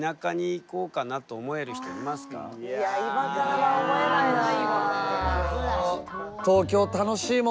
今からは思えないなあ。